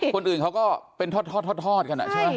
คนอื่นเขาก็เป็นท็อดกัน